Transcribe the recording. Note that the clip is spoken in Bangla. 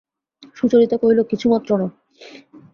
সুচরিতা কহিল, কিছুমাত্র না।